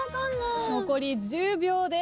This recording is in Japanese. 残り１０秒です。